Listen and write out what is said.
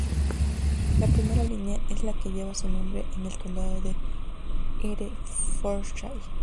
La primera línea es la que lleva su nombre, en el condado de Herefordshire.